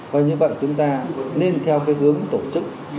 coi như vậy chúng ta nên theo cái hướng tổ chức